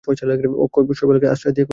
অক্ষয় শৈলবালাকে আশ্বাস দিয়া কহিলেন, ভয় নেই।